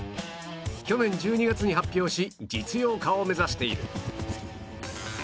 去年１２月に発表し実用化を目指している